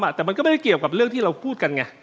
แต่มันก็ไม่ได้เกี่ยวกับเรื่องที่เราพูดกันไง